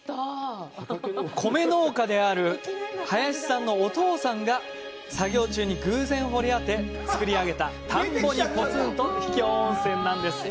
米農家である林さんのお父さんが作業中に偶然掘り当て、造り上げた田んぼにぽつんと秘境温泉なんです。